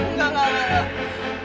enggak enggak enggak